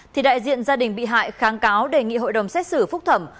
thì đại diện gia đình bị hại kháng cáo đề nghị hội đồng xét xử phúc thẩm